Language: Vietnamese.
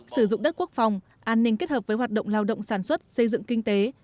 sử dụng đất quốc phòng an ninh kết hợp với hoạt động lao động sản xuất xây dựng kinh tế